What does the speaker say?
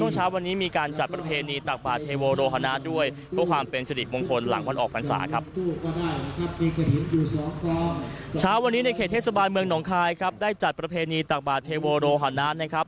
เช้าวันนี้ในเขตเทศบาลเมืองหนองคายครับได้จัดประเพณีตักบาทเทโวโรหนะนะครับ